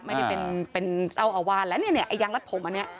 ไม่ได้เป็นเป็นเจ้าอาวาสแล้วเนี่ยไอ้ยางรัดผมอันนี้